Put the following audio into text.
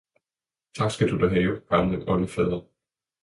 Tak skal du have, du gamle oldefader!